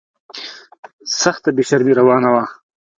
سخته بې شرمي روانه وه.